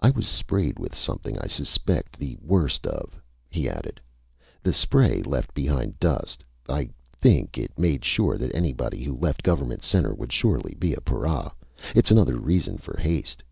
"I was sprayed with something I suspect the worst of," he added. "The spray left dust behind. I think it made sure that anybody who left Government Center would surely be a para. It's another reason for haste."